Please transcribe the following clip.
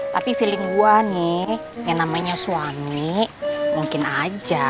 tapi feeling gue nih yang namanya suami mungkin aja